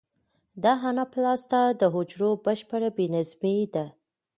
د اناپلاسیا د حجرو بشپړ بې نظمي ده.